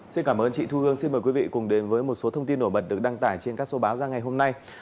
xin cảm ơn chị thu hương xin mời quý vị cùng đến với một số thông tin nổi bật được đăng tải trên các số báo ra ngày hôm nay